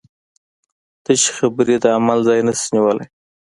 تشې خبرې د عمل ځای نشي نیولی.